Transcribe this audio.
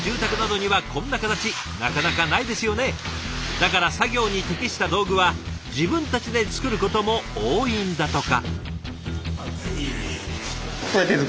だから作業に適した道具は自分たちで作ることも多いんだとか。